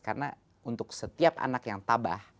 karena untuk setiap anak yang tabah